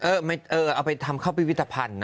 เออเออเอาไปทำเข้าไปวิทธภัณฑ์นะ